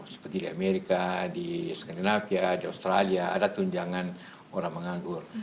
seperti di amerika di skandinavia di australia ada tunjangan orang menganggur